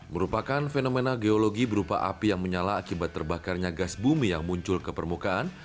merupakan fenomena geologi berupa api yang menyala akibat terbakarnya gas bumi yang muncul ke permukaan